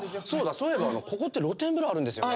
そういえばここって露天風呂あるんですよね？